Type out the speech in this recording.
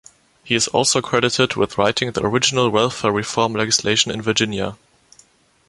He is also credited with writing the original welfare reform legislation in Virginia.